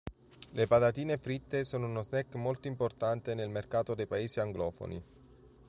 Le patatine fritte sono uno snack molto importante nel mercato dei Paesi anglofoni.